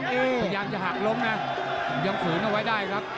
พยายามจะหักล้มนะยังฝืนเอาไว้ได้ครับ